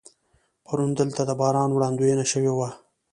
پرون دلته د باران وړاندوینه شوې وه.